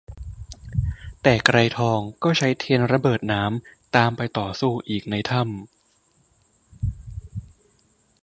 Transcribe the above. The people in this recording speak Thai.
แต่ไกรทองก็ใช้เทียนระเบิดน้ำตามไปต่อสู้อีกในถ้ำ